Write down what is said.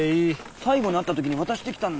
最後に会った時に渡してきたんだよ。